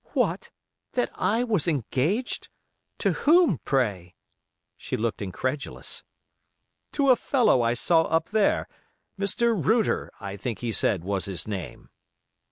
"What! That I was engaged! To whom, pray?" She looked incredulous. "To a fellow I saw up there—Mr. 'Router', I think he said was his name."